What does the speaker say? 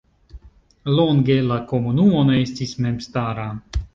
Longe la komunumo ne estis memstara.